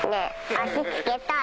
足つけたい。